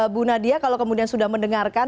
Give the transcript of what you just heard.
bu nadia kalau kemudian sudah mendengarkan